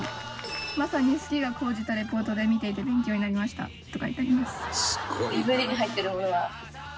「まさに好きが興じたレポートでみていて勉強になりました」と書いてあります。